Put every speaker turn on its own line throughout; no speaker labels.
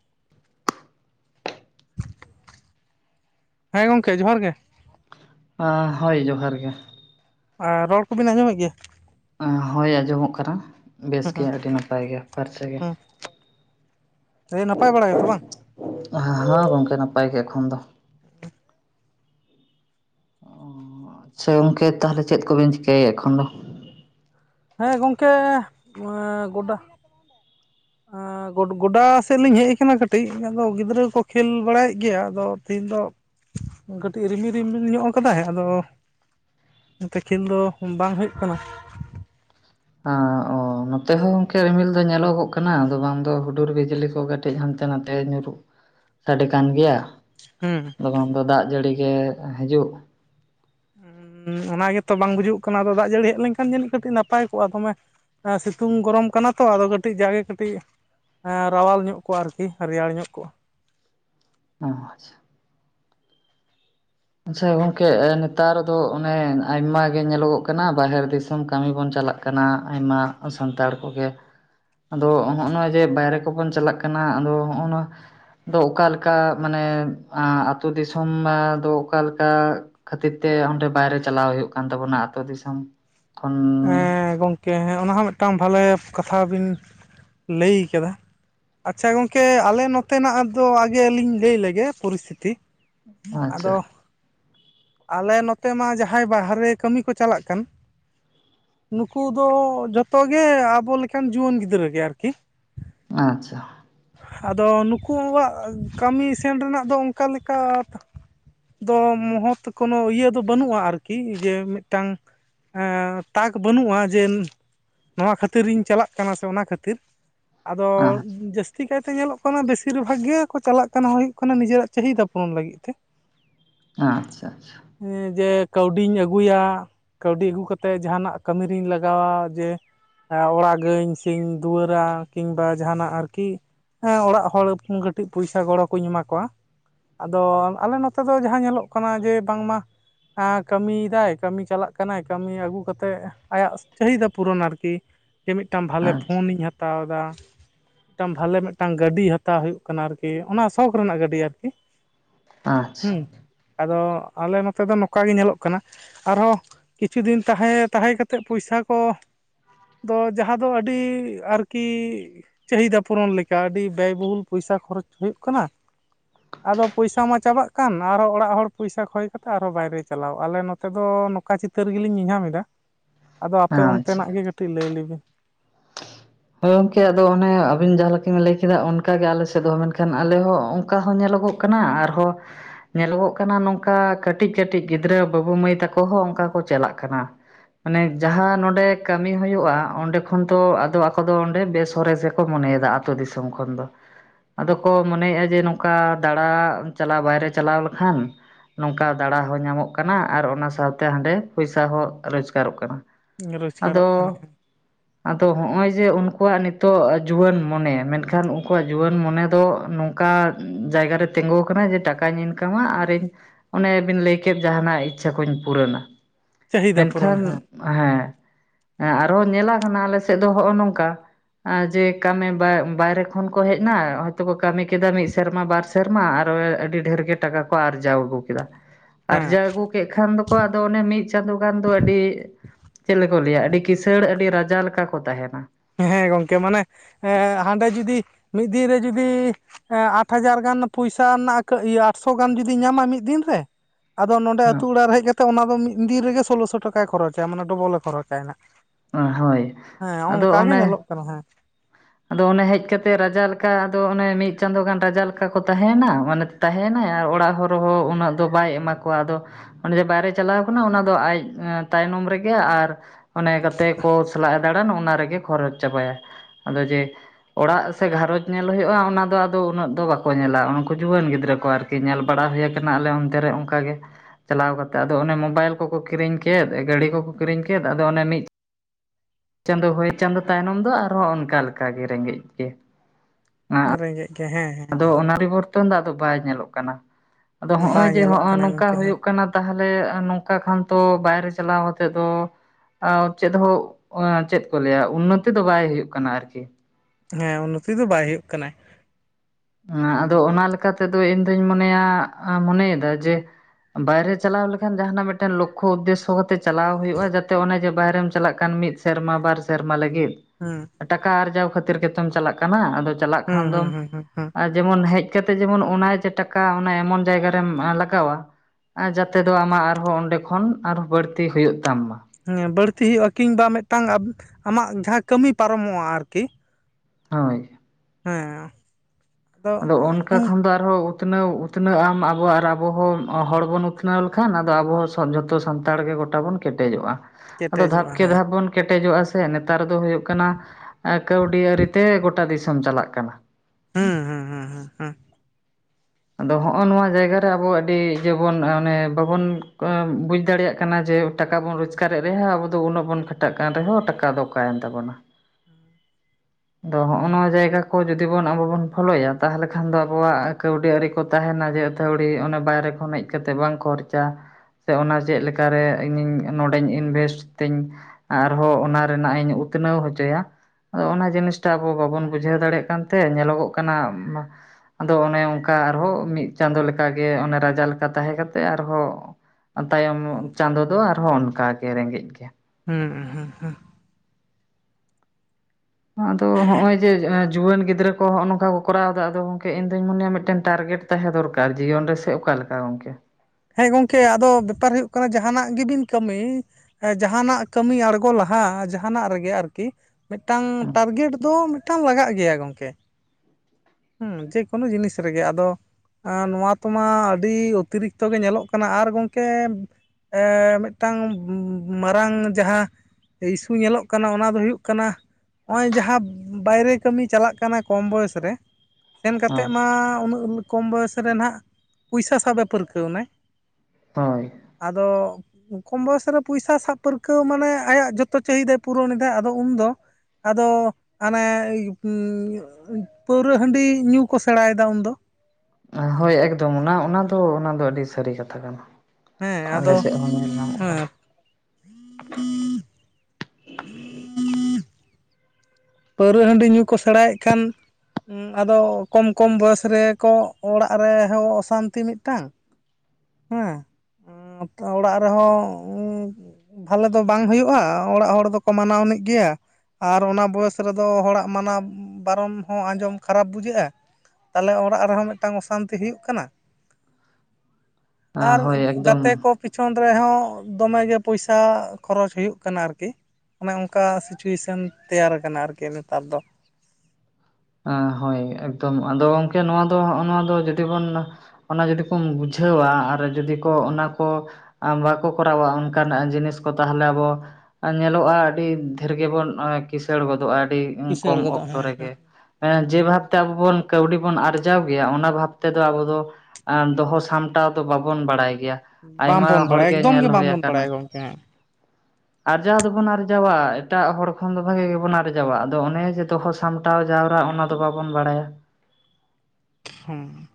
[inaudible]
ᱦᱮᱸ ᱜᱚᱝᱠᱮ ᱡᱚᱦᱟᱨ ᱜᱮ ᱾
ᱟᱻ ᱦᱳᱭ ᱡᱚᱦᱟᱨ ᱜᱮ ᱾
ᱟᱸᱻ ᱨᱚᱲ ᱠᱚᱵᱤᱱ ᱟᱸᱡᱚᱢᱮᱫ ᱜᱮᱭᱟ?
ᱦᱳᱭ ᱟᱸᱡᱚᱢᱚᱜ ᱠᱟᱱᱟ ᱵᱮᱥ ᱜᱮ
ᱦᱩᱸ
ᱟᱹᱰᱤ ᱱᱟᱯᱟᱭ ᱜᱮ ᱯᱷᱟᱨᱪᱟ ᱜᱮ᱾
ᱦᱩᱸ [unintelligible] ᱱᱟᱯᱟᱭ ᱵᱟᱲᱟ ᱜᱮᱛᱚ ᱵᱟᱝ᱾
ᱦᱟᱸ ᱦᱟᱸ ᱜᱚᱝᱠᱮ ᱱᱟᱯᱟᱭ ᱜᱮ ᱮᱠᱷᱚᱱ ᱫᱚ᱾ ᱟᱪᱪᱷᱟ ᱜᱚᱝᱠᱮ ᱛᱟᱦᱚᱞᱮ ᱪᱮᱫ ᱠᱚᱵᱮᱱ ᱪᱤᱠᱟᱭᱮᱜᱼᱟ ᱮᱠᱷᱚᱱ ᱫᱚ ᱾
ᱦᱮᱸ ᱜᱚᱝᱠᱮ ᱮᱸ ᱜᱚᱰᱟ ᱟᱸᱠ ᱜᱚᱰᱟ ᱥᱮᱫ ᱞᱤᱧ ᱦᱮᱡ ᱟᱠᱟᱱᱟ ᱠᱟᱹᱴᱤᱡ ᱟᱫᱚ ᱜᱤᱫᱽᱨᱟᱹ ᱠᱚ ᱠᱷᱮᱞ ᱵᱟᱲᱟᱭᱮᱫ ᱜᱮᱭᱟ ᱟᱫᱚ ᱛᱤᱦᱤᱧ ᱫᱚ ᱠᱟᱹᱴᱤᱡ ᱨᱤᱢᱤᱞ ᱨᱤᱢᱤᱞ ᱧᱚᱜ ᱟᱠᱟᱫᱟᱭ ᱟᱫᱚ [unintelligible] ᱠᱷᱮᱞ ᱫᱚ ᱵᱟᱝ ᱦᱩᱭᱩᱜ ᱠᱟᱱᱟ᱾
ᱟᱸ ᱚᱛ ᱱᱷᱚᱛᱮ ᱦᱚᱸ ᱜᱚᱝᱠᱮᱠᱮ ᱨᱤᱢᱤᱞ ᱫᱚ ᱧᱮᱞᱚᱜᱚᱜ ᱠᱟᱱᱟ, ᱟᱫᱚ ᱵᱟᱝ ᱫᱚ ᱦᱩᱰᱩᱨ ᱵᱤᱡᱽᱞᱤ ᱠᱚ ᱠᱟᱹᱴᱤᱡ ᱦᱟᱱᱛᱮ ᱱᱟᱛᱮ ᱧᱩᱨᱩᱜ ᱥᱟᱹᱰᱮ ᱠᱟᱱ ᱜᱮᱭᱟ ᱾
ᱦᱩᱸᱻ
ᱵᱟᱝ ᱫᱚ ᱫᱟᱜ ᱡᱟᱹᱲᱤ ᱜᱮ ᱦᱤᱡᱩᱜ ᱾
ᱚᱱᱟ ᱜᱮᱛᱚ ᱵᱟᱝ ᱵᱩᱡᱩ ᱜᱚᱜ ᱠᱟᱱᱟ ᱟᱫᱚ ᱫᱟᱜ ᱡᱟᱹᱲᱤ ᱦᱮᱡ ᱞᱮᱱᱠᱷᱟᱱ ᱡᱟᱹᱱᱤᱡ ᱠᱟᱹᱴᱤᱡ ᱱᱟᱯᱟᱭ ᱠᱚᱜᱼᱟ ᱫᱚᱢᱮ ᱾ ᱥᱤᱛᱩᱝ ᱜᱚᱨᱚᱢ ᱠᱟᱱᱟ ᱛᱚ ᱟᱫᱚ ᱠᱟᱹᱴᱤᱡ ᱡᱟᱜᱮ ᱠᱟᱹᱴᱤᱡ ᱾ ᱦᱮᱸ ᱨᱟᱣᱟᱞ ᱧᱚᱜ ᱠᱚᱜᱼᱟ ᱟᱨᱠᱤ ᱨᱮᱭᱟᱲ ᱧᱚᱜ ᱠᱚᱜᱼᱟ᱾
ᱚᱸ ᱟᱪᱪᱷᱟ᱾ ᱟᱪᱪᱷᱟ ᱜᱚᱝᱠᱮ ᱱᱮᱛᱟᱨ ᱫᱚ ᱚᱱᱮ ᱟᱭᱢᱟ ᱜᱮ ᱧᱮᱞᱚᱜᱚᱜ ᱠᱟᱱᱟ ᱵᱟᱦᱮᱨ ᱫᱤᱥᱚᱢ ᱠᱟᱹᱢᱤ ᱵᱚᱱ ᱪᱟᱞᱟᱜ ᱠᱟᱱᱟ᱾ ᱠᱟᱱᱟ ᱟᱭᱢᱟ ᱥᱟᱱᱛᱟᱲ ᱠᱚᱜᱮ ᱾ ᱟᱫᱚ ᱦᱚᱸᱜᱼᱚᱭ ᱱᱚᱣᱟ ᱡᱮ ᱵᱟᱭᱨᱮ ᱠᱚᱵᱚᱱ ᱪᱟᱞᱟᱜ ᱠᱟᱱᱟ ᱟᱫᱚ ᱦᱚᱸᱜᱼᱚ ᱱᱚᱣᱟ᱾ ᱚᱠᱟᱞᱮᱠᱟ ᱢᱟᱱᱮ ᱟᱹᱛᱳ ᱫᱤᱥᱚᱢ ᱫᱚ ᱾ ᱚᱠᱟ ᱞᱮᱠᱟ ᱠᱷᱟᱹᱛᱤᱨ ᱛᱮ ᱚᱸᱰᱮ ᱵᱟᱭᱨᱮ ᱪᱟᱞᱟᱣ ᱦᱩᱭᱩᱜ ᱠᱟᱱ ᱛᱟᱵᱚᱱᱟ ᱟᱹᱛᱳ ᱫᱤᱥᱚᱢ? ᱠᱷᱚᱱ
ᱦᱮᱸ ᱜᱚᱢᱠᱮ ᱦᱮᱸ ᱚᱱᱟ ᱦᱚᱸ ᱢᱤᱫᱴᱟᱝ ᱵᱷᱟᱞᱮ ᱠᱟᱛᱷᱟ ᱵᱤᱱ ᱞᱟᱹᱭ ᱠᱟᱫᱟ ᱾ ᱟᱪᱪᱷᱟ ᱜᱚᱝᱠᱮ ᱟᱞᱮ ᱱᱚᱛᱮᱱᱟᱜ ᱫᱚ ᱟᱜᱮ ᱞᱤᱧ ᱞᱟᱹᱭ ᱞᱮᱜᱮ ᱯᱚᱨᱤᱥᱛᱷᱤᱛᱤ ᱾
ᱟᱪᱪᱷᱟ
ᱟᱫᱚ ᱟᱞᱮ ᱱᱚᱛᱮ ᱢᱟ ᱡᱟᱦᱟᱸᱭ ᱵᱟᱦᱨᱮ ᱠᱟᱹᱢᱤ ᱠᱚ ᱪᱟᱞᱟᱜ ᱠᱟᱱ᱾ ᱩᱱᱠᱩ ᱫᱚ ᱡᱚᱛᱚ ᱜᱮ ᱟᱵᱚ ᱞᱮᱠᱟᱱ ᱡᱩᱣᱟᱹᱱ ᱜᱤᱫᱽᱨᱟᱹ ᱜᱮ ᱟᱨᱠᱤ ᱾
ᱟᱸᱪᱪᱷᱟ ᱾
ᱟᱫᱚ ᱱᱩᱠᱩᱣᱟᱜ ᱠᱟᱹᱢᱤ ᱥᱮᱱ ᱨᱮᱱᱟᱜ ᱫᱚ ᱚᱱᱠᱟ ᱞᱮᱠᱟ ᱛᱚ ᱢᱚᱦᱚᱛ ᱠᱳᱱᱳ ᱤᱭᱟᱹ ᱫᱚ ᱵᱟᱹᱱᱩᱜᱼᱟ ᱟᱨᱠᱤ ᱡᱮ ᱢᱤᱫᱴᱟᱝ ᱮᱸ ᱛᱟᱠ ᱵᱟᱹᱱᱩᱜᱼᱟ ᱡᱮ ᱱᱚᱣᱟ ᱠᱷᱟᱹᱛᱤᱨ ᱤᱧ ᱪᱟᱞᱟᱜ ᱠᱟᱱᱟ ᱥᱮ ᱚᱱᱟ ᱠᱷᱟᱹᱛᱤᱨ᱾ ᱟᱫᱚ
ᱟᱪᱪᱷᱟ
ᱡᱟᱹᱥ ᱛᱤ ᱠᱟᱭᱛᱮ ᱧᱮᱞᱚᱜ ᱠᱟᱱᱟ ᱵᱮᱥᱤᱨ ᱵᱷᱟᱜᱽ ᱜᱮ ᱠᱚ ᱪᱟᱞᱟᱜ ᱠᱟᱱᱟ ᱦᱩᱭᱩᱜ ᱠᱟᱱᱟ ᱱᱤᱡᱮᱨᱟᱜ ᱪᱟᱹᱦᱤᱫᱟ ᱯᱩᱨᱚᱱ ᱞᱟᱹᱜᱤᱫ ᱛᱮ ᱾ [inaudible]
ᱟᱪᱪᱷᱟ
ᱦᱮᱸ ᱡᱮ ᱠᱟᱹᱣᱰᱤᱧ ᱟᱹᱜᱩᱭᱟ ᱠᱟᱹᱣᱰᱤ ᱟᱹᱜᱩ ᱠᱟᱛ ᱮ ᱡᱟᱦᱟᱱᱟᱜ ᱠᱟᱹᱢᱤ ᱨᱤᱧ ᱞᱟᱜᱟᱣᱟ ᱡᱮ ᱚᱲᱟᱜᱟᱹᱧ ᱥᱮᱧ ᱫᱩᱣᱟᱹᱨᱟ ᱠᱤᱢᱵᱟ ᱡᱟᱦᱟᱱᱟᱜ ᱟᱨᱠᱤ ᱦᱮᱸ ᱚᱲᱟᱜ ᱦᱚᱲ ᱠᱟᱹᱴᱤᱡ ᱯᱚᱭᱥᱟ ᱜᱚᱲᱚ ᱠᱩᱧ ᱮᱢᱟ ᱠᱚᱣᱟ᱾ ᱟᱫᱚ ᱟᱞᱮ ᱱᱚᱛᱮ ᱫᱚ ᱡᱟᱦᱟᱸ ᱧᱮᱞᱚᱜ ᱠᱟᱱᱟ ᱡᱮ ᱵᱟᱝᱢᱟ ᱟᱸᱻ ᱠᱟᱹᱢᱤᱭᱮᱫᱟᱭ ᱠᱟᱹᱢᱤ ᱪᱟᱞᱟᱜ ᱠᱟᱱᱟᱭ ᱠᱟᱹᱢᱤ ᱟᱹᱜᱩ ᱠᱟᱛᱮᱜ ᱟᱭᱟᱜ ᱪᱟᱹᱦᱤᱫᱟ ᱯᱩᱨᱩᱱ ᱟᱨᱠᱤ ᱡᱮ ᱢᱤᱫᱴᱟᱱ ᱵᱷᱟᱞᱮ ᱯᱷᱳᱱ
ᱟᱪᱪᱷᱟ
ᱤᱧ ᱦᱟᱛᱟᱣᱮᱫᱼᱟ ᱾ ᱵᱷᱟᱞᱮ ᱢᱤᱫᱴᱟᱝ ᱜᱟᱹᱰᱤ ᱦᱟᱛᱟᱣ ᱦᱩᱭᱩᱜ ᱠᱟᱱᱟ ᱟᱨᱠᱤ ᱚᱱᱟ ᱥᱳᱠ ᱨᱮᱱᱟᱜ ᱜᱟᱹᱰᱤ ᱟᱨᱠᱤ ᱾ ᱦᱩᱸ
ᱟᱪᱪᱷᱟ
ᱟᱫᱚ ᱟᱞᱮ ᱱᱚᱛᱮ ᱫᱚ ᱱᱚᱝᱠᱟ ᱜᱮ ᱧᱮᱞᱚᱜ ᱠᱟᱱᱟ ᱟᱨᱦᱚᱸ ᱠᱤᱪᱷᱩ ᱫᱤᱱ ᱛᱟᱦᱮᱸ ᱛᱟᱦᱮᱸ ᱠᱟᱛᱮᱫ ᱯᱚᱭᱥᱟ ᱠᱚ ᱫᱚ ᱡᱟᱦᱟᱸ ᱫᱚ ᱟᱹᱰᱤ ᱟᱨᱠᱤ ᱪᱟᱹᱦᱤᱫᱟ ᱯᱩᱨᱚᱱ ᱞᱮᱠᱟ ᱟᱹᱰᱤ ᱵᱮᱭᱵᱚᱦᱩᱞ ᱯᱚᱭᱥᱟ ᱠᱷᱚᱨᱚᱪ ᱦᱩᱭᱩᱜ ᱠᱟᱱᱟ ᱾ ᱟᱫᱚ ᱯᱚᱭᱥᱟ ᱢᱟ ᱪᱟᱵᱟᱜ ᱠᱟᱱ ᱟᱨᱦᱚᱸ ᱚᱲᱟᱜ ᱦᱚᱲ ᱯᱚᱭᱥᱟ ᱠᱚᱭ ᱠᱟᱛᱮ ᱟᱨᱦᱚᱸ ᱵᱟᱭᱨᱮ ᱪᱟᱞᱟᱣ ᱟᱞᱮ ᱱᱚᱛᱮ ᱫᱚ ᱚᱠᱟ ᱪᱤᱛᱟᱹᱨ ᱜᱮᱞᱤᱧ ᱧᱮᱞ ᱧᱟᱢ ᱮᱫᱟ ᱟᱫᱚ ᱟᱯᱮ
ᱟᱪᱪᱷᱟ
ᱚᱱᱛᱮᱱᱟᱜ ᱜᱮ ᱠᱟᱹᱴᱤᱡ ᱞᱟᱹᱭ ᱟᱞᱤᱧ ᱵᱤᱱ ᱾ [inaudible]
ᱦᱚᱭ ᱜᱚᱝᱠᱮ ᱟᱫᱚ ᱚᱱᱮ ᱟᱵᱤᱱ ᱡᱟᱦᱟᱸ ᱞᱮᱠᱟ ᱵᱤᱱ ᱞᱟᱹᱭ ᱠᱮᱫᱟ ᱚᱱᱠᱟ ᱜᱮ ᱟᱞᱮ ᱥᱮᱫ ᱦᱚᱸ ᱢᱮᱱᱠᱷᱟᱱ ᱟᱞᱮ ᱦᱚᱸ ᱚᱱᱠᱟ ᱦᱚᱸ ᱧᱮᱞᱚᱜᱚᱜ ᱠᱟᱱᱟ ᱟᱨᱦᱚᱸ ᱧᱮᱞᱚᱜᱚᱜ ᱠᱟᱱᱟ ᱱᱚᱝᱠᱟ ᱠᱟᱹᱴᱤᱡ- ᱠᱟᱹᱴᱤᱡ ᱜᱤᱫᱽᱨᱟᱹ ᱵᱟᱹᱵᱩ ᱢᱟᱹᱭ ᱛᱟᱠᱚ ᱦᱚᱸ ᱚᱱᱠᱟ ᱠᱚ ᱪᱟᱞᱟᱜ ᱠᱟᱱᱟ ᱾ ᱢᱟᱱᱮ ᱡᱟᱦᱟᱸ ᱱᱚᱰᱮ ᱠᱟᱹᱢᱤ ᱦᱩᱭᱩᱜᱼᱟ ᱚᱸᱰᱮ ᱛᱚᱠᱷᱚᱱ ᱛᱚ ᱟᱫᱚ ᱟᱠᱚ ᱫᱚ ᱚᱸᱰᱮ ᱵᱮᱥ ᱥᱚᱨᱮᱥ ᱜᱮᱠᱚ ᱢᱚᱱᱮᱭᱮᱫᱟ ᱟᱹᱛᱳ ᱫᱤᱥᱚᱢ ᱠᱷᱚᱱ ᱫᱚ ᱾ ᱟᱫᱚ ᱠᱚ ᱢᱚᱱᱮᱭᱮᱫᱼᱟ ᱡᱮ ᱱᱚᱝᱠᱟ ᱫᱟᱬᱟ ᱪᱟᱞᱟᱣ ᱵᱟᱭᱨᱮ ᱪᱟᱞᱟᱣ ᱞᱮᱠᱷᱟᱱ ᱱᱚᱝᱠᱟ ᱫᱟᱬᱟ ᱦᱚᱸ ᱧᱟᱢᱚᱜ ᱠᱟᱱᱟ ᱟᱨ ᱚᱱᱟ ᱥᱟᱶᱛᱮ ᱦᱟᱸᱰᱮ ᱯᱚᱭᱥᱟ ᱦᱚᱸ ᱨᱳᱡᱜᱟᱨᱚᱜ ᱠᱟᱱᱟ ᱾
ᱨᱳᱡᱜᱟᱨᱚᱜ ᱠᱟᱱᱟ ᱦᱮᱸ
ᱟᱫᱚ ᱦᱚᱜ ᱚᱭ ᱡᱮ ᱩᱱᱠᱩᱣᱟᱜ ᱱᱤᱛᱚᱜ ᱡᱩᱣᱟᱹᱱ ᱢᱚᱱᱮ ᱢᱮᱱᱠᱷᱟᱱ ᱩᱱᱠᱩᱣᱟᱜ ᱡᱩᱣᱟᱹᱱ ᱢᱚᱱᱮ ᱫᱚ ᱱᱚᱝᱠᱟ ᱡᱟᱭᱜᱟ ᱨᱮ ᱛᱤᱸᱜᱩ ᱟᱠᱟᱱᱟ ᱡᱮ ᱴᱟᱠᱟᱧ ᱤᱱᱠᱟᱢᱟ ᱟᱨᱤᱧ ᱚᱱᱮ ᱵᱤᱱ ᱞᱟᱹᱭ ᱠᱮᱫ ᱡᱟᱦᱟᱸᱱᱟᱜ ᱤᱪᱪᱷᱟᱹ ᱠᱚᱧ ᱯᱩᱨᱟᱹᱱᱟ ᱾
ᱪᱟᱹᱦᱤᱫᱟ ᱯᱩᱨᱚᱱ
ᱢᱮᱱᱠᱷᱟᱱ
ᱦᱮᱸ
ᱦᱮᱸ ᱟᱨᱦᱚ ᱧᱮᱞᱟ ᱟᱞᱮ ᱥᱮᱫ ᱫᱚ ᱦᱚᱜᱼᱚᱭ ᱱᱚᱝᱠᱟ ᱡᱮ ᱠᱟᱹᱢᱤ ᱵᱟᱭᱨᱮ ᱠᱷᱚᱱ ᱠᱚ ᱦᱮᱡ ᱮᱱᱟ ᱦᱚᱭ ᱛᱚ ᱠᱚ ᱠᱟᱹᱢᱤ ᱠᱮᱫᱟ ᱢᱤᱫ ᱥᱮᱨᱢᱟ ᱵᱟᱨ ᱥᱮᱨ ᱥᱮᱨᱢᱟ ᱟᱨ ᱟᱹᱰᱤ ᱰᱷᱮᱨ ᱜᱮ ᱴᱟᱠᱟ ᱠᱚ ᱟᱨᱡᱟᱣ ᱟᱹᱜᱩ ᱠᱮᱫᱟ ᱾
ᱦᱮᱸ
ᱟᱨᱡᱟᱣ ᱟᱹᱜᱩ ᱠᱮ ᱠᱷᱟᱱ ᱫᱚ ᱟᱫᱚ ᱚᱱᱮ ᱢᱤᱫ ᱪᱟᱸᱫᱚ ᱜᱟᱱ ᱫᱚ ᱟᱹᱰᱤ ᱪᱮᱫ ᱠᱚ ᱞᱟᱹᱭᱟ ᱟᱹᱰᱤ ᱠᱤᱥᱟᱹᱬ ᱟᱹᱰᱤ ᱨᱟ ᱡᱟ ᱞᱮᱠᱟ ᱠᱚ ᱛᱟᱦᱮᱱᱟ ᱾
ᱦᱮᱸ ᱜᱚᱝᱠᱮ ᱢᱟᱱᱮ ᱦᱟᱸᱰᱮ ᱡᱩᱫᱤ ᱢᱤᱫ ᱫᱤᱱ ᱨᱮ ᱡᱩᱫᱤ ᱟᱴ ᱦᱟᱡᱟᱨ ᱜᱟᱱ ᱯᱚᱭᱥᱟ ᱨᱮᱱᱟᱜ ᱟᱴᱥᱚ ᱜᱟᱱ ᱡᱩᱫᱤ ᱧᱟᱢᱟ ᱢᱤᱫ ᱫᱤᱱ ᱨᱮ ᱟᱫᱚ ᱱᱚᱸᱰᱮ
ᱦᱮᱸ
ᱟᱹᱛᱩ ᱚᱲᱟᱜ ᱨᱮ ᱦᱮᱡ ᱠᱟᱛᱮᱜ ᱚᱱᱟ ᱫᱚ ᱢᱤᱫ ᱫᱤᱱ ᱨᱮᱜᱮ ᱥᱳᱞᱳ ᱥᱚ ᱴᱟᱠᱟᱭ ᱠᱷᱚᱨᱚᱪᱟ ᱢᱟᱱᱮ ᱰᱚᱵᱚᱞ ᱠᱷᱚᱨᱚᱟᱭ ᱱᱟᱦᱟᱸᱜ ᱾
ᱦᱚᱭ ᱟᱫᱚ ᱚᱱᱮ
ᱠᱟᱱᱟ [inaudible]
ᱟᱫᱚ ᱚᱱᱮ ᱦᱮᱡ ᱠᱟᱛᱮ ᱨᱟᱡᱟ ᱞᱮᱠᱟ ᱟᱫᱚ ᱚᱱᱮ ᱢᱤᱫ ᱪᱟᱸᱫᱚ ᱜᱟᱱ ᱨᱟᱡᱟ ᱞᱮᱠᱟ ᱠᱚ ᱛᱟᱦᱮᱱᱟ ᱢᱟᱱᱮ ᱛᱟᱦᱮᱱᱟᱭ ᱟᱨ ᱚᱲᱟᱜ ᱦᱚᱲ ᱦᱚᱸ ᱩᱱᱟᱹᱜ ᱫᱚ ᱵᱟᱭ ᱮᱢᱟ ᱠᱚᱣᱟ ᱟᱫᱚ ᱚᱱᱮ ᱡᱮ ᱵᱟᱭᱨᱮᱭ ᱪᱟᱞᱟᱣ ᱟᱠᱟᱱᱟ ᱚᱱᱟ ᱫᱚ ᱟᱡ ᱛᱟᱭᱱᱚᱢ ᱨᱮᱜᱮ ᱟᱨ ᱚᱱᱮ ᱜᱟ ᱛᱮ ᱠᱚ ᱥᱟᱞᱟᱜ ᱮ ᱫᱟᱬᱟᱱ ᱚᱱᱟ ᱨᱮᱜᱮ ᱠᱷᱚᱨᱚᱪ ᱪᱟᱵᱟᱭᱟ ᱾ ᱟᱫᱚ ᱡᱮ ᱚᱲᱟᱜ ᱥᱮ ᱜᱷᱟᱨᱚᱸᱡ ᱧᱮᱞ ᱦᱩᱭᱩᱜᱼᱟ ᱚᱱᱟ ᱫᱚ ᱟᱫᱚ ᱩᱱᱟᱹᱜ ᱫᱚ ᱵᱟᱠᱚ ᱧᱮᱞᱟ ᱩᱱᱠᱩ ᱡᱩᱣᱟᱹᱱ ᱜᱤᱫᱽᱨᱟᱹ ᱠᱚ ᱟᱨ ᱠᱤ ᱧᱮᱞ ᱵᱟᱲᱟ ᱦᱩᱭ ᱠᱟᱱᱟ ᱟᱞᱮ ᱚᱱᱛᱮ ᱨᱮ ᱚᱱᱠᱟ ᱜᱮ ᱾ ᱪᱟᱞᱟᱣ ᱠᱟᱛᱮ ᱟᱫᱚ ᱚᱱᱮ ᱢᱳᱵᱟᱭᱤᱞ ᱠᱚᱠᱚ ᱠᱤᱨᱤᱧ ᱠᱮᱫ, ᱜᱟᱹᱰᱤ ᱠᱚᱠᱚ ᱠᱤᱨᱤᱧ ᱠᱮᱫ ᱟᱫᱚ ᱚᱱᱮ ᱢᱤᱫ ᱪᱟᱸᱫᱚᱚ ᱦᱚᱭ ᱪᱟᱸᱫᱚ ᱛᱟᱭᱱᱚᱢ ᱫᱚ ᱟᱨᱦᱚᱸ ᱚᱱᱠᱟ ᱞᱮᱠᱟ ᱜᱮ ᱨᱮᱸᱜᱮᱡ ᱜᱮ
ᱨᱮᱸᱜᱮᱡ ᱜᱮ ᱦᱮᱸ ᱦᱮᱸ
ᱟᱫᱚ ᱚᱱᱟ ᱵᱤᱵᱚᱨᱛᱚᱱ ᱫᱚ ᱟᱫᱚ ᱵᱟᱭ ᱧᱮᱞᱚᱜ ᱠᱟᱱᱟ ᱟᱫᱚ ᱦᱚᱸᱜᱼᱚᱭ
ᱵᱟᱭ
ᱡᱮ
ᱧᱮᱞᱚᱜ
ᱦᱚᱸᱜᱼ
ᱠᱟᱱᱟ
ᱱᱚᱝᱠᱟ
ᱜᱚᱝᱠᱮ ᱦᱮᱸ
ᱦᱩᱭᱩᱜ ᱠᱟᱱᱟ ᱾ ᱛᱟᱦᱚᱞᱮ ᱱᱚᱝᱠᱟ ᱠᱷᱟᱱ ᱛᱚ ᱵᱟᱭᱨᱮ ᱪᱟᱞᱟᱣ ᱠᱟᱛᱮᱜ ᱫᱚ ᱾ ᱟᱨ ᱪᱮᱫ ᱦᱚᱸ ᱪᱮᱫ ᱠᱚ ᱞᱟᱹᱭᱟ ᱩᱱᱱᱚᱛᱤ ᱫᱚ ᱵᱟᱭ ᱦᱩᱭᱩᱜ ᱠᱟᱱᱟ ᱟᱨᱠᱤ ᱾
ᱦᱮᱸ ᱩᱱᱚᱛᱤ ᱫᱚ ᱵᱟᱭ ᱦᱩᱭᱩᱜ ᱠᱟᱱᱟ ᱾
ᱟᱫᱚ ᱚᱱᱟ ᱞᱮᱠᱟ ᱛᱮᱫᱚ ᱤᱧ ᱫᱚᱧ ᱢᱚᱱᱮᱭᱟ ᱢᱚᱱᱮᱭᱮᱫᱟ ᱡᱮ ᱵᱟᱭᱨᱮ ᱪᱟᱞᱟᱣ ᱞᱮᱠᱷᱟᱱ ᱡᱟᱦᱟᱸᱱᱟᱜ ᱢᱤᱫᱴᱮᱱ ᱞᱚᱠᱷᱚ ᱩᱫ ᱫᱮᱥ ᱥᱚ ᱠᱟᱛᱮ ᱪᱟᱞᱟᱣ ᱦᱩᱭᱩᱜᱼᱟ ᱡᱟᱛᱮ ᱚᱱᱮ ᱡᱮ ᱵᱟᱭᱨᱮᱢ ᱪᱟᱞᱟᱜ ᱠᱟᱱ ᱢᱤᱫ ᱥᱮᱨᱢᱟ ᱵᱟᱨ ᱥᱮᱨᱢᱟ ᱞᱟᱹᱜᱤᱫ
ᱦᱩᱸ ᱾
ᱴᱟᱠᱟ ᱟᱨᱡᱟᱣ ᱠᱷᱟᱹᱛᱤᱨ ᱜᱮᱛᱚᱢ ᱪᱟᱞᱟᱜ ᱠᱟᱱᱟ ᱟᱫᱚ ᱪᱟᱞᱟᱜ
ᱦᱩᱸ
ᱠᱷᱟᱱ
ᱦᱩᱸ
ᱫᱚᱢ ᱾
ᱦᱩᱸ ᱦᱩᱸ ᱾
ᱡᱮᱢᱚᱱ ᱦᱮᱡ ᱠᱟᱛᱮ ᱡᱮᱢᱚᱱ ᱚᱱᱟ ᱡᱮ ᱴᱟᱠᱟ ᱚᱱᱟ ᱮᱢᱚᱱ ᱡᱟᱭᱜᱟ ᱨᱮᱢ ᱞᱟᱜᱟᱣᱟ ᱾ ᱡᱟᱛᱮ ᱫᱚ ᱟᱢᱟᱜ ᱟᱨᱦᱚᱸ ᱚᱸᱰᱮ ᱠᱷᱚᱱ ᱟᱨᱦᱚᱸ ᱵᱟᱹᱲᱛᱤ ᱦᱩᱭᱩᱜ ᱛᱟᱢ ᱢᱟ ᱾
ᱦᱮᱸ ᱵᱟᱹᱲᱛᱤ ᱦᱩᱭᱩᱜᱼᱟ ᱠᱤᱢᱵᱟ ᱢᱤᱫᱴᱟᱝ ᱟᱢᱟᱜ ᱡᱟᱦᱟᱸ ᱠᱟᱹᱢᱤ ᱯᱟᱨᱚᱢᱚᱜᱼᱟ ᱟᱨᱠᱤ ᱾
ᱦᱳᱭ ᱾
ᱦᱮᱸ
ᱟᱫᱚ ᱚᱱᱠᱟ ᱠᱷᱟᱱ ᱫᱚ ᱩᱛᱱᱟᱹᱣ ᱩᱛᱱᱟᱹᱜ ᱟᱢ ᱟᱵᱚ ᱟᱵᱚ ᱦᱚᱸ ᱦᱚᱲ ᱵᱚᱱ ᱩᱛᱱᱟᱹᱣ ᱞᱮᱠᱷᱟᱱ ᱟᱫᱚ ᱟᱵᱚ ᱦᱚᱸ ᱡᱷᱚᱛᱚ ᱥᱟᱱᱛᱟᱲ ᱜᱮ ᱜᱚᱴᱟ ᱵᱚᱱ ᱠᱮᱴᱮᱡᱚᱜ-ᱟ ᱟᱫᱚ
ᱠᱮᱴᱮᱡᱚᱜᱼᱟ
ᱫᱷᱟᱯᱠᱮ
ᱦᱮᱸ
ᱫᱷᱟᱯ ᱵᱚᱱ ᱠᱮᱴᱮᱡᱚᱜ-ᱟ ᱥᱮ ᱱᱮᱛᱟᱨ ᱫᱚ ᱦᱩᱭᱩᱜ ᱠᱟᱱᱟ ᱠᱟᱹᱣᱰᱤ ᱟᱹᱨᱤᱛᱮ ᱜᱚᱴᱟ ᱫᱤᱥᱚᱢ ᱪᱟᱞᱟᱜ ᱠᱟᱱᱟ ᱾
ᱦᱩᱸ ᱦᱩᱸ ᱦᱩᱸ ᱦᱩᱸ ᱦᱩᱸ
ᱟᱫᱚ ᱦᱚᱜ-ᱚ ᱱᱚᱣᱟ ᱡᱟᱭᱜᱟ ᱨᱮ ᱟᱵᱚ ᱟᱹᱰᱤ ᱤᱭᱟᱹᱵᱚᱱ ᱱᱟᱢᱮ ᱵᱟᱵᱚᱱ ᱵᱩᱡᱽ ᱫᱟᱲᱮᱭᱟᱜ ᱠᱟᱱᱟ ᱡᱮ ᱴᱟᱠᱟ ᱵᱚᱱ ᱨᱳᱡᱽᱜᱟᱨᱮᱫ ᱨᱮᱦᱚᱸ ᱟᱵᱚ ᱩᱱᱟᱹᱜ ᱵᱚᱱ ᱠᱷᱟᱴᱟᱜ ᱠᱟᱱ ᱨᱮᱦᱚᱸ ᱴᱟᱠᱟ ᱫᱚ ᱚᱠᱟᱭ ᱮᱱ ᱛᱟᱵᱚᱱᱟ ᱾
ᱦᱮᱸ [inaudible]
ᱟᱫᱚ ᱦᱚᱜ-ᱚᱭ ᱱᱚᱣᱟ ᱡᱟᱭᱜᱟ ᱠᱚ ᱡᱩᱫᱤ ᱵᱚᱱ ᱟᱵᱚ ᱵᱚᱱ ᱯᱷᱚᱞᱳᱭᱟ ᱛᱟᱦᱚᱞᱮ ᱠᱷᱟᱱ ᱫᱚ ᱟᱵᱚᱣᱟᱜ ᱠᱟᱹᱣᱰᱤ ᱾ ᱟᱹᱨᱤ ᱠᱚ ᱛᱟᱦᱮᱱᱟ ᱡᱮ ᱟᱹᱛᱷᱟᱹᱣᱲᱤ ᱚᱱᱮ ᱵᱟᱭᱨᱮ ᱠᱷᱚᱱ ᱦᱮᱡ ᱠᱟᱛᱮᱫ ᱵᱟᱝ ᱠᱷᱚᱨᱪᱟ ᱾ ᱥᱮ ᱚᱱᱟ ᱪᱮᱫ ᱞᱮᱠᱟᱨᱮ ᱤᱧᱤᱧ ᱱᱚᱰᱮᱧ ᱤᱱᱵᱷᱮᱥᱴ ᱛᱤᱧ ᱟᱨᱦᱚᱸ ᱚᱱᱟ ᱨᱮᱱᱟᱜ ᱤᱧ ᱩᱛᱱᱟᱹᱣ ᱦᱚᱪᱚᱭᱟ ᱾ ᱟᱫᱚ ᱚᱱᱟ ᱡᱤᱱᱤᱥᱴᱟ ᱟᱵᱚ ᱵᱟᱵᱚᱱ ᱵᱩᱡᱷᱟᱹᱣ ᱫᱟᱲᱮᱭᱟᱜ ᱠᱟᱱᱛᱮ ᱧᱮᱞᱚᱜ-ᱜᱚᱜ ᱠᱟᱱᱟ ᱟᱫᱚ ᱚᱱᱮ ᱚᱱᱠᱟ ᱾ ᱚᱱᱠᱟ ᱟᱨᱦᱚᱸ ᱢᱤᱫ ᱪᱟᱸᱫᱳ ᱞᱮᱠᱟᱜᱮ ᱚᱱᱮ ᱨᱟᱡᱟ ᱞᱮᱠᱟ ᱛᱟᱦᱮᱸ ᱠᱟᱛᱮᱜ ᱟᱨᱦᱚᱸ ᱛᱟᱭᱚᱢ ᱪᱟᱸᱫᱚ ᱫᱚ ᱟᱨᱦᱚᱸ ᱚᱱᱠᱟᱜᱮ ᱨᱮᱸᱜᱮᱡ ᱜᱮᱭᱟ ᱾
ᱦᱩᱸ ᱻᱦᱩᱸ ᱻᱦᱩᱸᱻ ᱾
ᱟᱫᱚ ᱦᱚᱜ-ᱚᱭ ᱡᱮ ᱡᱩᱣᱟᱹᱱ ᱜᱤᱫᱽᱨᱟᱹ ᱠᱚ ᱦᱚᱜᱚ ᱱᱚᱝᱠᱟ ᱠᱚ ᱠᱚᱨᱟᱣᱮᱫᱟ ᱟᱫᱚ ᱜᱚᱝᱠᱮ ᱤᱧ ᱫᱩᱧ ᱢᱚᱱᱮᱭᱟ ᱢᱤᱫᱴᱮᱱ ᱴᱟᱨᱜᱮᱴ ᱾ ᱛᱟᱦᱮᱸ ᱫᱚᱨᱠᱟᱨ ᱡᱤᱭᱚᱱ ᱨᱮᱥᱮ ᱚᱠᱟᱞᱮᱠᱟ ᱜᱚᱝᱠᱮ ᱾
ᱦᱮᱸ ᱜᱚᱢᱠᱮ ᱟᱫᱚ ᱵᱮᱯᱟᱨ ᱦᱩᱭᱩᱜ ᱠᱟᱱᱟ ᱡᱟᱦᱟᱱᱟᱜ ᱜᱮᱵᱤᱱ ᱠᱟᱹᱢᱤ ᱡᱟᱦᱟᱱᱟᱜ ᱠᱟᱹᱢᱤ ᱟᱬᱜᱚ ᱞᱟᱦᱟ ᱡᱟᱦᱟᱱᱟᱜ ᱨᱮᱜᱮ ᱟᱨᱠᱤ ᱢᱤᱫᱴᱟᱝ ᱴᱟᱨᱜᱮᱴ ᱫᱚ ᱢᱤᱫᱴᱟᱝ ᱞᱟᱜᱟᱜ ᱜᱮᱭᱟ ᱜᱚᱢᱠᱮ ᱦᱮᱸ ᱡᱮᱠᱳᱱᱳ ᱡᱤᱱᱤᱥ ᱨᱮᱜᱮ ᱟᱫᱚ ᱱᱚᱣᱟ ᱛᱚᱢᱟ ᱟᱹᱰᱤ ᱚᱛᱤᱨᱤᱠᱚᱛ ᱡᱚᱛᱚ ᱜᱮ ᱧᱮᱞᱚᱜ ᱠᱟᱱᱟ ᱟᱨ ᱜᱚᱢᱠᱮ ᱢᱤᱫᱴᱟᱝ ᱮ ᱢᱟᱨᱟᱝ ᱡᱟᱦᱟᱸ ᱤᱥᱩ ᱧᱮᱞᱚᱜ ᱠᱟᱱᱟ ᱚᱱᱟ ᱫᱚ ᱦᱩᱭᱩᱜ ᱠᱟᱱᱟ ᱾ ᱱᱚᱜ-ᱚᱭ ᱡᱟᱦᱟᱸ ᱵᱟᱭᱨᱮ ᱠᱟᱹᱢᱤ ᱪᱟᱞᱟᱜ ᱠᱟᱱᱟ ᱠᱚᱢ ᱵᱚᱭᱮᱥ ᱨᱮ ᱥᱮᱱ ᱠᱟᱛᱮᱫ
ᱦᱳᱭ
ᱢᱟ ᱩᱱᱟᱹᱜ ᱠᱚᱢ ᱵᱚᱭᱚᱥ ᱨᱮ ᱱᱟᱦᱟᱜ ᱯᱚᱭᱥᱟ ᱥᱟᱵᱮ ᱯᱟᱹᱨᱠᱟᱹᱣ ᱮᱱᱟᱭ ᱾
ᱦᱳᱭ ᱾
ᱟᱫᱚ ᱾ ᱠᱚᱢ ᱵᱚᱭᱚᱥ ᱨᱮ ᱯᱩᱭᱥᱟ ᱥᱟᱵ ᱯᱟᱹᱨᱠᱟᱹᱣ ᱢᱟᱱᱮ ᱟᱭᱟᱜ ᱡᱚᱛᱚ ᱪᱟᱹᱦᱤᱫᱟᱭ ᱯᱩᱨᱚᱱ ᱮᱫᱟ ᱟᱫᱚ ᱩᱱᱫᱚ ᱟᱫᱚ ᱦᱟᱱᱮ ᱯᱟᱹᱣᱨᱟᱹ ᱦᱟᱺᱰᱤ ᱧᱩ ᱠᱚ ᱥᱮᱲᱟᱭᱮᱫᱟ ᱩᱱᱫᱚ
ᱦᱳᱭ ᱮᱠᱫᱚᱢ ᱚᱱᱟ ᱚᱱᱟ ᱫᱚ ᱚᱱᱟ ᱫᱚ ᱟᱹᱰᱤ ᱥᱟᱹᱨᱤ ᱠᱟᱛᱷᱟ ᱠᱟᱱᱟ
ᱦᱮᱸ
᱾ ᱟᱞᱮ
ᱟᱫᱚ
ᱥᱮᱫ ᱦᱚᱸ ᱧᱮᱞ ᱧᱟᱢᱚᱜ ᱠᱟᱱᱟ
ᱦᱮᱸ
᱾
ᱯᱟᱹᱣᱨᱟᱹ ᱦᱟᱺᱰᱤ ᱧᱩ ᱠᱚ ᱥᱮᱲᱟᱭᱮᱫ ᱠᱟᱱ ᱩᱸ ᱟᱫᱚ ᱠᱚᱢ ᱠᱚᱢ ᱵᱚᱭᱮᱥ ᱨᱮᱠᱚ ᱚᱲᱟᱜ ᱨᱮ ᱦᱚᱸ ᱚᱥᱟᱱᱛᱤ ᱢᱤᱫᱴᱟᱝ ᱦᱮᱸ ᱚᱲᱟᱜ ᱨᱮᱦᱚᱸ ᱩᱸ ᱵᱷᱟᱞᱮ ᱫᱚ ᱵᱟᱝ ᱦᱳᱭᱳᱜᱼᱟ᱾ ᱚᱲᱟᱜ ᱦᱚᱲ ᱫᱚᱠᱚ ᱢᱟᱱᱟᱣᱱᱤᱡ ᱜᱤᱭᱟ, ᱟᱨ ᱚᱱᱟ ᱵᱚᱭᱚᱥ ᱨᱮᱫᱚ ᱦᱚᱲᱟᱜ ᱢᱟᱱᱟ ᱵᱟᱨᱚᱱ ᱦᱚᱸ ᱟᱸᱡᱚᱢ ᱠᱷᱟᱨᱟᱯ ᱵᱩᱡᱷᱟᱹᱜᱼᱟ᱾ ᱛᱟᱦᱞᱮ ᱚᱲᱟᱜ ᱨᱮᱦᱚᱸ ᱢᱤᱫᱴᱟᱝ ᱚᱥᱟᱱᱛᱤ ᱦᱩᱭᱩᱜ ᱠᱟᱱᱟ᱾ ᱟᱨ
ᱠᱟᱱᱟ ᱦᱳᱭ
ᱜᱟᱛᱮ
ᱮᱠᱫᱚᱢ
ᱠᱚ ᱯᱤᱪᱷᱚᱱ ᱨᱮᱦᱚᱸ, ᱫᱚᱢᱮᱜᱮ ᱯᱚᱭᱥᱟ ᱠᱷᱚᱨᱚᱪ ᱦᱳᱭᱳᱜ ᱠᱟᱱᱟ ᱟᱨᱠᱤ᱾ ᱚᱱᱮ ᱚᱝᱠᱟ ᱥᱤᱪᱩᱭᱮᱥᱚᱱ ᱛᱮᱭᱟᱨᱟ ᱠᱟᱱᱟ ᱟᱨᱠᱤ ᱱᱮᱛᱟᱨ ᱫᱚ᱾
ᱟ ᱦᱳᱭ ᱮᱠᱫᱚᱢ, ᱟᱫᱚ ᱜᱚᱝᱠᱮ ᱱᱚᱣᱟ ᱫᱚ ᱦᱚᱜ ᱫᱚ ᱡᱩᱫᱤ ᱵᱚᱱ ᱚᱱᱟ ᱡᱩᱫᱤ ᱠᱚᱢ ᱵᱩᱡᱷᱟᱹᱣᱟ, ᱟᱨ ᱡᱩᱫᱤ ᱠᱚ ᱚᱱᱟ ᱠᱚ ᱟ ᱵᱟᱠᱚ ᱠᱚᱨᱟᱣᱟ ᱚᱱᱠᱟᱱᱟᱜ ᱡᱤᱱᱤᱥ ᱠᱚ ᱛᱟᱦᱚᱞᱮ ᱟᱵᱚ ᱧᱮᱞᱚᱜᱼᱟ ᱟᱹᱰᱤ ᱰᱷᱮᱨ ᱜᱮᱵᱚᱱ ᱠᱤᱥᱟᱹᱬ ᱜᱚᱫᱚᱜᱼᱟ ᱟᱹᱰᱤ
ᱠᱤᱥᱟᱹᱬ
ᱠᱚᱢ
ᱜᱚᱫᱚᱜ
ᱚᱠᱛᱚ
ᱦᱮᱸ ᱦᱮᱸ
ᱨᱮᱜᱮ᱾ ᱮ ᱡᱮ ᱵᱷᱟᱵᱛᱮ ᱟᱵᱚ ᱵᱚᱱ ᱠᱟᱹᱣᱰᱤ ᱵᱚᱱ ᱟᱨᱡᱟᱣ ᱜᱮᱭᱟ, ᱚᱱᱟ ᱵᱷᱟᱵ ᱛᱮᱫᱚ ᱟᱵᱚ ᱫᱚᱵᱚ ᱟᱨ ᱫᱚᱦᱚ ᱥᱟᱢᱴᱟᱣ ᱫᱚ ᱵᱟᱵᱚᱱ ᱵᱟᱲᱟᱭ ᱜᱮᱭᱟ᱾
ᱵᱟᱢ ᱵᱚᱱ
ᱟᱭᱢᱟ
ᱵᱟᱲᱟᱭᱟ,
ᱦᱚᱲᱜᱮ
ᱮᱠᱫᱚᱢ
ᱧᱮᱞ
ᱜᱮ
ᱦᱩᱭ
ᱵᱟᱢᱵᱚᱱ
ᱟᱠᱟᱱᱟ
ᱵᱟᱲᱟᱭᱟ ᱜᱚᱝᱠᱮ ᱦᱮᱸ᱾
ᱟᱨᱡᱟᱣ ᱫᱚᱵᱚᱱ ᱟᱨᱡᱟᱣᱟ, ᱮᱴᱟᱜ ᱦᱚᱲ ᱠᱷᱚᱱ ᱫᱚ ᱵᱷᱟᱜᱮ ᱜᱮᱵᱚᱱ ᱟᱨᱡᱟᱣᱟ ᱟᱫᱚ ᱚᱱᱮ ᱡᱮ ᱫᱚᱦᱚ ᱥᱟᱢ ᱠᱟᱴᱟᱣ ᱡᱟᱣᱨᱟ ᱚᱱᱟ ᱫᱚ ᱵᱟᱵᱚᱱ ᱵᱟᱲᱟᱭᱟ᱾
ᱦᱩᱸ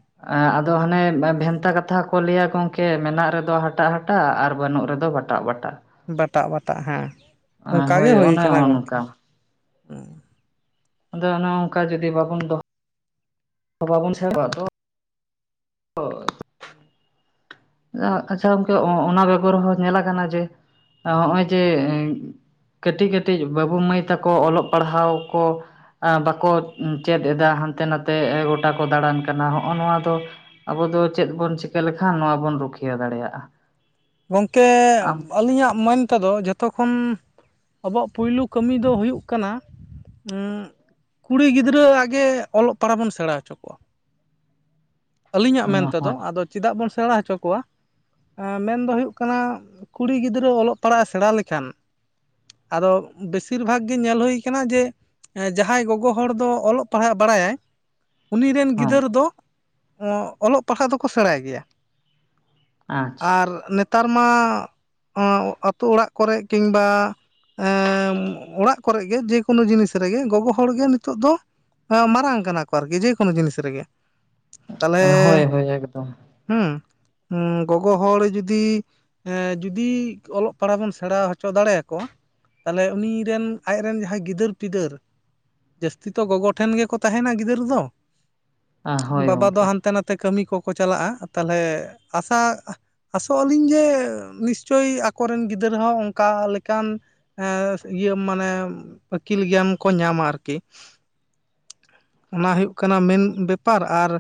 ᱟᱫᱚ ᱦᱟᱱᱮ ᱵᱷᱮᱱᱛᱟ ᱠᱟᱛᱷᱟ ᱠᱚ ᱞᱟᱹᱭᱟ‌ ᱠᱚ ᱾ ᱠᱮ ᱢᱮᱱᱟᱜ ᱨᱮᱫᱚ ᱦᱟᱴᱟᱜ-ᱦᱟᱴᱟᱜ ᱟᱨ ᱵᱟᱹᱱᱩᱜ ᱨᱮᱫᱚ ᱵᱟᱴᱟᱜ-ᱵᱟᱴᱟᱜ᱾
ᱵᱟᱴᱟᱜ-ᱵᱟᱴᱟᱜ ᱦᱮᱸ, ᱚᱝᱠᱟ ᱜᱮ ᱦᱳᱭ
ᱚᱱᱮ
ᱠᱟᱱᱟ ᱜᱚᱝᱠᱮ᱾
ᱚᱱᱠᱟ
ᱦᱮᱸ
ᱟᱫᱚ ᱚᱱᱮ ᱚᱝᱠᱟ ᱡᱩᱫᱤ ᱵᱟᱵᱚᱱ ᱫᱚᱦ ᱵᱟᱵᱚᱱ [unintelligible] ᱫᱚ ᱦᱳᱭ᱾ [unintelligible] ᱟᱪᱪᱷᱟ ᱜᱚᱝᱠᱮ ᱚ-ᱚᱱᱟ ᱵᱮᱜᱚᱨ ᱦᱚᱸ ᱧᱮᱞ ᱠᱟᱱᱟ ᱡᱮ, ᱦᱚᱸᱜᱼᱚᱭ ᱡᱮ ᱠᱟᱹᱴᱤᱜ ᱠᱟᱹᱴᱤᱜ ᱵᱟᱹᱵᱩ ᱢᱟᱹᱭ ᱛᱟᱠᱚ ᱚᱞᱚᱜ ᱯᱟᱲᱦᱟᱣ ᱠᱚ ᱟ ᱵᱟᱠᱚ ᱪᱮᱫ ᱮᱫᱟ ᱦᱟᱱᱛᱮ ᱱᱟᱛᱮ ᱜᱚᱴᱟ ᱠᱚ ᱫᱟᱬᱟᱱ ᱠᱟᱱᱟ, ᱦᱚᱜ ᱱᱚᱣᱟ ᱫᱚ ᱟᱵᱚ ᱫᱚ ᱪᱮᱫ ᱵᱚᱱ ᱪᱤᱠᱟᱹ ᱞᱮᱠᱷᱟᱱ, ᱱᱚᱣᱟ ᱵᱚᱱ ᱨᱩᱠᱷᱤᱭᱟᱹ ᱫᱟᱲᱮᱭᱟᱜᱼᱟ᱾
ᱜᱚᱝᱠᱮ
ᱟᱢ
ᱟᱹᱞᱤᱧᱟᱜ ᱢᱮᱱ ᱛᱮᱫᱚ, ᱡᱷᱚᱛ ᱛᱚ ᱠᱷᱚᱱ, ᱟᱵᱚᱣᱟᱜ ᱯᱩᱭᱞᱩ ᱠᱟᱹᱢᱤ ᱫᱚ ᱦᱩᱭᱩᱜ ᱠᱟᱱᱟ᱾ ᱩᱸ ᱠᱩᱲᱤ ᱜᱤᱫᱽᱨᱟᱹ ᱟᱜᱮ ᱚᱞᱚᱜ ᱯᱟᱲᱦᱟᱣ ᱵᱚᱱ ᱥᱮᱬᱟ ᱦᱚᱪᱚ ᱠᱚᱣᱟ᱾ ᱟᱹᱞᱤᱧᱟᱜ ᱢᱮᱱ ᱛᱮᱫᱚ,
ᱦᱳᱭ
ᱟᱫᱚ ᱪᱮᱫᱟᱜ ᱵᱚᱱ ᱥᱮᱬᱟ ᱦᱚᱪᱚ ᱠᱚᱣᱟ? ᱟ ᱢᱮᱱ ᱫᱚ ᱦᱩᱭᱩᱜ ᱠᱟᱱᱟ, ᱠᱩᱲᱤ ᱜᱤᱫᱽᱨᱟᱹ ᱚᱞᱚᱜ ᱯᱟᱲᱦᱟᱜ ᱮ ᱥᱮᱬᱟ ᱞᱮᱠᱷᱟᱱ ᱟᱫᱚ, ᱵᱤᱥᱤᱨ ᱵᱷᱟᱜᱽ ᱜᱮ ᱧᱮᱞ ᱦᱳᱭ ᱠᱟᱱᱟ ᱡᱮ ᱡᱟᱦᱟᱸᱭ ᱜᱚᱜᱚ ᱦᱚᱲ ᱫᱚ ᱚᱞᱚᱜ ᱯᱟᱲᱦᱟᱜ ᱵᱟᱲᱟᱭᱟᱭ, ᱩᱱᱤ ᱨᱮᱱ
ᱦᱚᱸ
ᱜᱤᱫᱟᱹᱨ ᱫᱚ ᱚᱞᱚᱜ ᱯᱟᱲᱦᱟᱜ ᱫᱚᱠᱚ ᱥᱮᱬᱟᱭ ᱜᱮᱭᱟ᱾
ᱟᱪᱪᱷᱟ
ᱟᱨ ᱱᱮᱛ ᱛᱟᱨ ᱢᱟ ᱚᱸ ᱟᱛᱳ ᱚᱲᱟᱜ ᱠᱚᱨᱮᱜ ᱠᱤᱝᱵᱟ ᱮᱻ ᱚᱲᱟᱜ ᱠᱚᱨᱮᱜ ᱜᱮ ᱡᱮ ᱠᱳᱱᱳ ᱡᱤᱱᱤᱥ ᱨᱮᱜᱮ ᱜᱚᱜᱚ ᱦᱚᱲᱜᱮ ᱱᱤᱛᱚᱜ ᱫᱚ ᱢᱟᱨᱟᱝ ᱠᱟᱱᱟ ᱠᱚ ᱟᱨᱠᱤ ᱡᱮ ᱠᱳᱱᱳ ᱡᱤᱱᱤᱥ ᱨᱮᱜᱮ᱾ ᱛᱟᱞᱦᱮ
ᱦᱳᱭ ᱦᱳᱭ ᱮᱠᱫᱚᱢ
ᱦᱩᱸ ᱜᱚᱜᱚ ᱦᱚᱲ ᱡᱩᱫᱤ ᱮ ᱡᱩᱫᱤ, ᱚᱞᱚᱜ ᱯᱟᱲᱦᱟᱣ ᱵᱚᱱ ᱥᱮᱬᱟ ᱦᱚᱪᱚ ᱫᱟᱲᱮ ᱠᱚᱣᱟ᱾ ᱛᱟᱦᱞᱮ ᱩᱱᱤ ᱨᱮᱱ ᱟᱡᱨᱮ ᱨᱮᱱ ᱡᱟᱦᱟᱸᱭ ᱜᱤᱫᱟᱹᱨ-ᱯᱤᱫᱟᱹᱨ ᱡᱟᱹᱥᱛᱤ ᱛᱚ ᱜᱚᱜᱚ ᱴᱷᱮᱱ ᱜᱮᱠᱚ ᱛᱟᱦᱮᱱᱟ ᱜᱤᱫᱟᱹᱨ ᱫᱚ᱾
ᱦᱳᱭ
ᱵᱟᱵᱟ ᱫᱚ
ᱜᱚᱢᱠᱮ
ᱦᱟᱱᱛᱮ ᱱᱟᱛᱮ ᱠᱟᱹᱢᱤ ᱠᱚᱠᱚ ᱪᱟᱞᱟᱜᱼᱟ ᱛᱟᱞᱦᱮ ᱟᱥᱟ ᱟᱥᱚᱜ ᱟᱹᱞᱤᱧ ᱡᱮ, ᱱᱤᱥᱪᱳᱭ ᱟᱠᱚᱨᱮᱱ ᱜᱤᱫᱽᱨᱟᱹ ᱦᱚᱸ ᱚᱱᱠᱟ ᱞᱮᱠᱟᱱ ᱮᱸ ᱤᱭᱟᱹ ᱢᱟᱱᱮ ᱟᱹᱠᱤᱞ ᱜᱮᱭᱟᱱ ᱠᱚ ᱧᱟᱢᱟ ᱟᱨᱠᱤ᱾ ᱚᱱᱟ ᱦᱳᱭᱳᱜ ᱠᱟᱱᱟ ᱢᱮᱱ ᱵᱮᱯᱟᱨ ᱟᱨ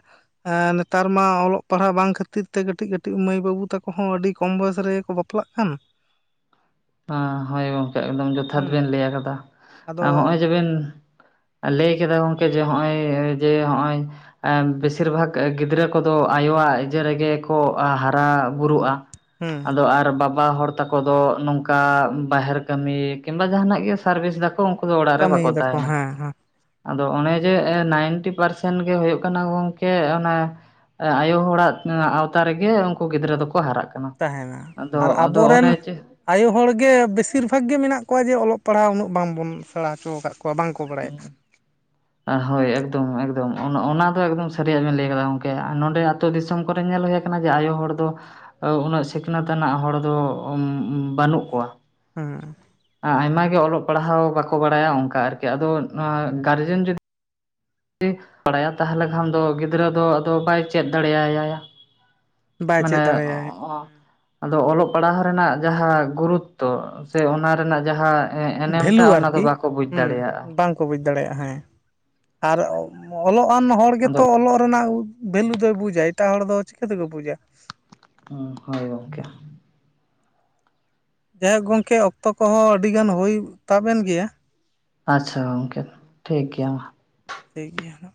ᱮ ᱱᱮᱛᱟᱨ ᱢᱟ ᱚᱞᱚᱜ ᱯᱟᱲᱦᱟᱜ ᱵᱟᱝ ᱠᱷᱟᱹᱛᱤᱨ ᱛᱮ ᱠᱟᱹᱴᱤᱡ ᱠᱟᱹᱴᱤᱡ ᱢᱟᱹᱭ ᱵᱟᱹᱵᱩ ᱛᱟᱠᱚ ᱦᱚᱸ ᱟᱹᱰᱤ ᱠᱚᱢ ᱵᱚᱭᱮᱥ ᱨᱮᱜᱮ ᱵᱟᱯ ᱯᱟᱜ ᱠᱟᱱ᱾
ᱦᱳᱭ ᱜᱚᱝᱠᱮ ᱮᱠᱫᱚᱢ ᱡᱚᱛᱷᱟᱛ
ᱦᱩᱸ
ᱵᱮᱱ ᱞᱟᱹᱭ ᱠᱟᱫᱟ,
ᱟᱫᱚ
ᱦᱚᱜᱼᱚᱭ ᱡᱮᱵᱮᱱ ᱞᱟᱹᱭ ᱠᱮᱫᱟ ᱜᱚᱝᱠᱮ ᱡᱮ ᱱᱚᱜᱼᱚᱭ ᱡᱮ ᱦᱚᱜᱼᱚᱭ᱾ ᱟ ᱵᱤᱥᱤᱨ ᱵᱷᱟᱜᱽ ᱜᱤᱫᱽᱨᱟᱹ ᱠᱚᱫᱚ ᱟᱭᱳᱣᱟᱜ ᱤᱡᱟᱹ ᱨᱮᱜᱮ ᱠᱚ ᱦᱟᱨᱟ ᱵᱩᱨᱩᱜᱼᱟ᱾
ᱦᱩᱸ
ᱟᱫᱚ ᱟᱨ ᱵᱟᱵᱟ ᱦᱚᱲ ᱛᱟᱠᱚ ᱫᱚ ᱱᱚᱝ ᱚᱱᱠᱟ ᱵᱟᱦᱮᱨ ᱠᱟᱹᱢᱤ ᱠᱤᱢᱵᱟ ᱡᱟᱦᱱᱟᱜ ᱜᱮ ᱥᱟᱨᱵᱷᱤᱥ ᱫᱟᱠᱚ ᱩᱱᱠᱩ ᱫᱚ ᱚᱲᱟᱜ ᱨᱮ
ᱠᱟᱹᱢᱤᱭ
ᱵᱟᱠᱚ
ᱫᱟᱠᱚ
ᱛᱟᱦᱮᱸᱱᱟ
ᱦᱮᱸ ᱦᱮᱸ
ᱟᱫᱚ ᱚᱱᱮ ᱡᱮ ᱱᱟᱭᱤᱱᱴᱤ ᱯᱟᱨᱥᱮᱱᱴ ᱜᱮ ᱦᱩᱭᱩᱜ ᱠᱟᱱᱟ ᱜᱚᱝᱠᱮ ᱚᱱᱮ ᱟᱭᱳ ᱦᱚᱲᱟᱜ ᱟᱶᱛᱟ ᱨᱮᱜᱮ ᱩᱱᱠᱩ ᱜᱤᱫᱽᱨᱟᱹ ᱫᱚᱠᱚ ᱦᱟᱨᱟᱜ ᱠᱟᱼᱼ ᱱᱟ
ᱛᱟᱦᱮᱱᱟ
ᱟᱫᱚ
ᱟᱨ
ᱟᱫᱚ ᱚᱱᱮ
ᱟᱵᱚᱨᱮᱱ
ᱡᱮ
ᱟᱭᱳ ᱦᱚᱲᱜᱮ ᱵᱮᱥᱤᱨ ᱵᱷᱟᱜᱽ ᱜᱮ ᱢᱮᱱᱟᱜ ᱠᱚᱣᱟ ᱡᱮ ᱚᱞᱚᱜ ᱯᱟᱲᱦᱟᱜ ᱩᱱᱟᱹᱜ ᱵᱟᱝᱵᱚᱱ ᱥᱮᱬᱟ ᱦᱚᱪᱚ ᱟᱠᱟᱫ ᱠᱚᱣᱟ ᱵᱟᱝᱠᱚ ᱵᱟᱲᱟᱭᱟ᱾ [inaudible]
ᱦᱳᱭ ᱮᱠᱫᱚᱢ ᱮᱠᱫᱚᱢ ᱚᱱ ᱚᱱᱟ ᱫᱚ ᱮᱠᱫᱚᱢ ᱥᱟᱹᱨᱤᱭᱟᱜ ᱵᱮᱱ ᱞᱟᱹᱭ ᱟᱠᱟᱫᱟ ᱜᱚᱝᱠᱮ ᱟᱨ ᱱᱚᱰᱮ ᱟᱛᱳ ᱫᱤᱥᱚᱢ ᱠᱚᱨᱮ ᱧᱮᱞ ᱦᱩᱭ ᱠᱟᱱᱟ ᱡᱮ ᱟᱭᱳ ᱦᱚᱲ ᱫᱚ ᱩᱱᱟᱹᱜ ᱥᱤᱠᱷᱱᱟᱹᱛ ᱟᱱᱟᱜ ᱦᱚᱲ ᱫᱚ ᱵᱟᱹᱱᱩᱜ ᱠᱚᱣᱟ᱾
ᱦᱩᱸ
ᱟ ᱟᱭᱢᱟ ᱜᱮ ᱚᱞᱚᱜ ᱯᱟᱲᱦᱟᱣ ᱵᱟᱠᱚ ᱵᱟᱲᱟᱭᱟ ᱚᱱᱠᱟ ᱟᱨᱠᱤ ᱟᱫᱚ ᱱᱚᱣᱟ ᱜᱟᱨᱡᱮᱱ ᱡᱩᱫᱤ ᱵᱟᱲᱟᱭᱟ ᱛᱟᱦᱚᱞᱮ ᱠᱷᱟᱱ ᱫᱚ ᱜᱤᱫᱽᱨᱟᱹ ᱫᱚ ᱟᱫᱚ ᱵᱟᱭ ᱪᱮᱫ ᱫᱟᱲᱮᱭᱟᱭᱟ
ᱵᱟᱭ
ᱢᱟᱱᱮ
ᱪᱮᱫ ᱫᱟᱲᱮᱭᱟᱭ
[unintelligible] ᱟᱫᱚ ᱚᱞᱚᱜ ᱯᱟᱲᱦᱟᱣ ᱨᱮᱱᱟᱜ ᱡᱟᱦᱟᱸ ᱜᱩᱨᱩᱛᱛᱚ ᱥᱮ ᱚᱱᱟ ᱨᱮᱱᱟᱜ ᱡᱟᱦᱟᱸ ᱮᱱᱮᱢ ᱴᱟᱜ ᱚᱱᱟ ᱫᱚ ᱵᱟᱠᱚ ᱵᱩᱡᱽ ᱫᱟᱲᱮᱭᱟᱜᱼᱟ
ᱠᱟᱠᱚ ᱵᱩᱡᱽ ᱫᱟᱲᱮᱭᱟᱜᱼᱟ ᱦᱮᱸ ᱟᱨ ᱚᱞᱚᱜᱱ ᱦᱚᱲ ᱜᱮᱛᱚ
ᱟᱫᱚ
ᱚᱞᱚᱜ ᱨᱮᱱᱟᱜ ᱵᱷᱮᱞᱩ ᱫᱚᱭ ᱵᱩᱡᱟ ᱮᱴᱟᱜ ᱦᱚᱲ ᱫᱚ ᱪᱤᱠᱟᱹ ᱛᱮᱠᱚ ᱵᱩᱡᱟ
ᱦᱳᱭ ᱜᱚᱢᱠᱮ
ᱡᱟᱭᱦᱳᱠ ᱜᱚᱢᱠᱮ ᱚᱠᱛᱚ ᱠᱚᱦᱚᱸ ᱟᱹᱰᱤ ᱜᱟᱱ ᱦᱩᱭ ᱛᱟᱵ ᱮᱱ ᱜᱮᱭᱟ
ᱟᱪᱪᱷᱟ ᱜᱚᱢᱠᱮ ᱴᱷᱤᱠ ᱜᱮᱭᱟ ᱢᱟ
ᱴᱤᱠ ᱜᱮᱭᱟ ᱱᱟ